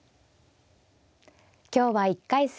今日は１回戦